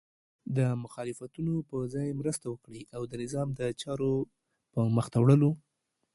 د مخالفتونو په ځای مرسته وکړئ او د نظام د چارو په مخته وړلو